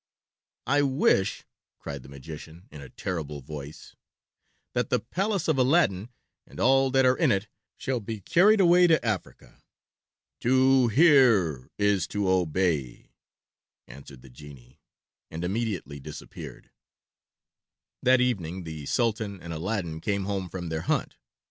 "I wish," cried the magician in a terrible voice, "that the palace of Aladdin and all that are in it shall be carried away to Africa." "To hear is to obey," answered the genie, and immediately disappeared. That evening the Sultan and Aladdin came home from their hunt.